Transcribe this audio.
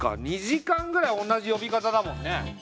２時間ぐらい同じ呼び方だもんね。